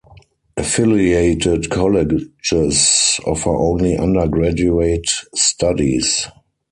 Affiliated colleges offer only undergraduate studies.